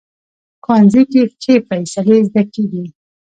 ښوونځی کې ښې فیصلې زده کېږي